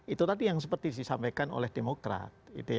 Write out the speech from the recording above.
itu tadi yang seperti disampaikan oleh demokrat